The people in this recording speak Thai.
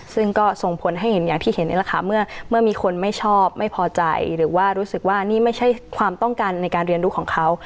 ซึ่งก็ส่งผลให้เห็นอย่างที่เห็นนี่แหละค่ะเมื่อมีคนไม่ชอบไม่พอใจหรือว่ารู้สึกว่านี่ไม่ใช่ความต้องการในการเรียนรู้ของเขา